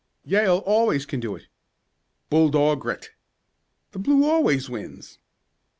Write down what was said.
"Yale always can do it!" "Bull dog grit!" "The blue always wins!"